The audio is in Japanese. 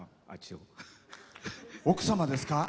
奥様ですか？